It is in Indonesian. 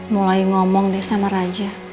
mulai ngomong deh sama raja